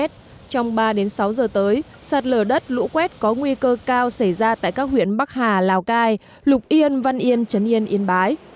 trong ba sáu giờ tới sạt lở đất lũ quét có nguy cơ cao xảy ra tại các huyện bắc hà lào cai lục yên văn yên trấn yên yên bái